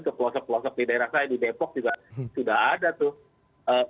ke pelosok pelosok di daerah saya di depok juga sudah ada tuh